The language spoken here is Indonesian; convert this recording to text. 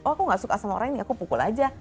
oh aku gak suka sama orang ini aku pukul aja